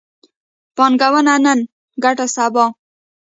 پانګونه نن، ګټه سبا